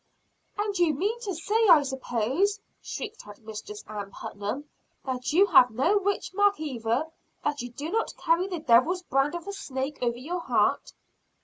"And you mean to say, I suppose," shrieked out Mistress Ann Putnam, "that you have no witch mark either; that you do not carry the devil's brand of a snake over your heart?"